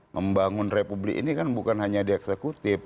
membangun republik ini kan bukan hanya di eksekutif